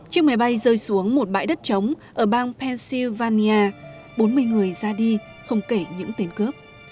chiếc máy bay rơi xuống một bãi đất trống ở bang pennsylvania bốn mươi người ra đi không kể những tên cướp